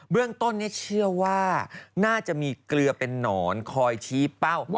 เรื่องต้นเชื่อว่าน่าจะมีเกลือเป็นนอนคอยชี้เป้า